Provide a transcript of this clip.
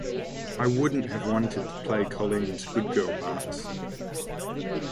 I wouldn't have wanted to play Coleen's good-girl parts.